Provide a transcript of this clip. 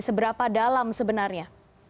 seberapa dalam sebenarnya